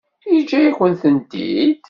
Yeǧǧa-yak-tent-id?